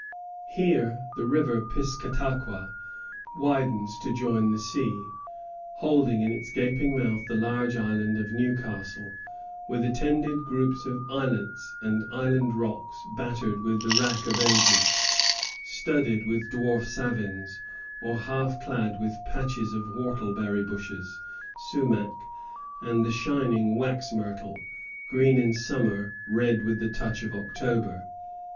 Here the river Piscataqua widens to join the sea, holding in its gaping mouth the large island of Newcastle, with attendant groups of islets and island rocks, battered with the rack of ages, studded with dwarf savins, or half clad with patches of whortleberry bushes, sumac, and the shining wax myrtle, green in summer, red with the touch of October.